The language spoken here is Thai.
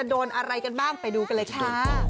โป่งโป่งโป่งโป่ง